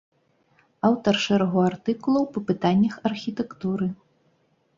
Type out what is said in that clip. Аўтар шэрагу артыкулаў па пытаннях архітэктуры.